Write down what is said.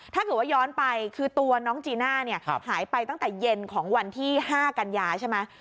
ถ้าเกิดว่าย้อนไปคือตัวน้องจีน่าเนี่ยหายไปตั้งแต่เย็นของวันที่๕กันยาใช่ไหม